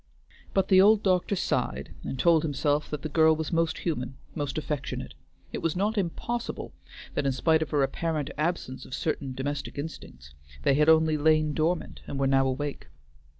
But the old doctor sighed, and told himself that the girl was most human, most affectionate; it was not impossible that, in spite of her apparent absence of certain domestic instincts, they had only lain dormant and were now awake.